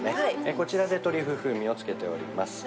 こちらでトリュフ風味をつけております。